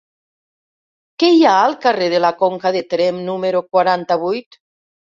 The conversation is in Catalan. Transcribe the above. Què hi ha al carrer de la Conca de Tremp número quaranta-vuit?